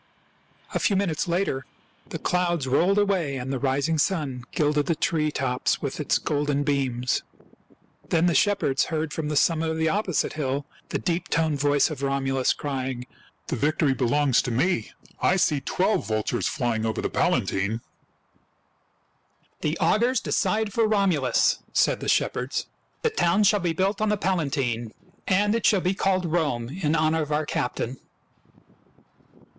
A few minutes later the clouds rolled away and the rising sun gilded the tree tops with its golden beams. Then the shepherds heard from the sum mit of the opposite hill the deep toned voice of Romulus crying, — HOW ROME WAS FOUNDED 1 95 ' What a fine, strong wall it is !" The victory belongs to me. I see twelve vul tures flying over the Palatine." " The augurs decide for Romulus," said the shepherds. " The town shall be built on the Pala tine, and it shall be called Rome in honor of our captain."